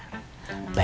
seumuran sama kakak